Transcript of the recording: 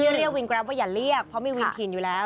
เรียกวินแกรปว่าอย่าเรียกเพราะมีวินถิ่นอยู่แล้ว